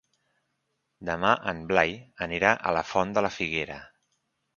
Demà en Blai anirà a la Font de la Figuera.